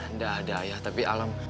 nggak ada ayah tapi alam